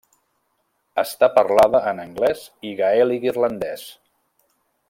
Està parlada en anglès i gaèlic irlandès.